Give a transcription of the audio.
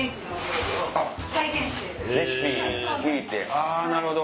あぁなるほど。